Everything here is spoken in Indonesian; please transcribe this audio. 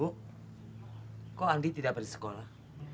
bu kok andi tidak bersekolah